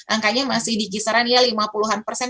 angkanya masih di kisaran ya lima puluh an persen